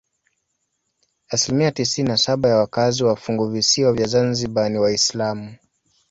Asilimia tisini na saba ya wakazi wa funguvisiwa vya Zanzibar ni Waislamu.